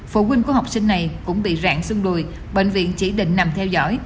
phụ huynh của học sinh này cũng bị rạng xương đùi bệnh viện chỉ định nằm theo dõi